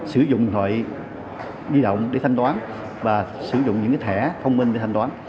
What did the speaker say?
sử dụng hội di động để thanh toán và sử dụng những thẻ thông minh để thanh toán